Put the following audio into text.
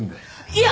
いや！